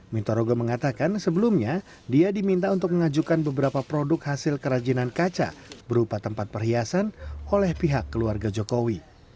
mintorogo mengatakan sebelumnya dia diminta untuk mengajukan beberapa produk hasil kerajinan kaca berupa tempat perhiasan oleh pihak keluarga jokowi